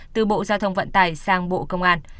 từ bộ giao thông vận tải sang bộ công an